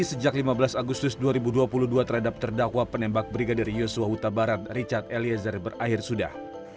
sejak lima belas agustus dua ribu dua puluh dua terhadap terdakwa penembak brigadir yosua huta barat richard eliezer berakhir sudah